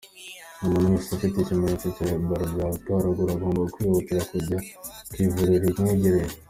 Umuntu wese ufite ibimenyetso bya Ebola byavuzwe haruguru agomba kwihutira kujya ku ivuriro rimwegereye; .